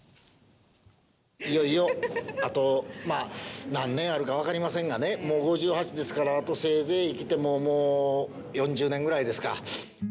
いよいよあとまあ、何年あるか分かりませんがね、もう５８ですから、あとせいぜい生きても、もう４０年ぐらいですか。